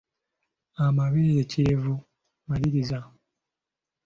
Amabeere kirevu, maliriza.